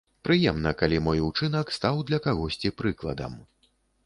Прыемна, калі мой учынак стаў для кагосьці прыкладам.